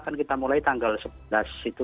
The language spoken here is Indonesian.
kan kita mulai tanggal sebelas itu